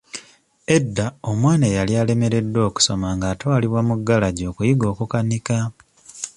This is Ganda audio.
Edda omwana eyali alemereddwa okusoma ng'atwalibwa mu galagi okuyiga okukanika.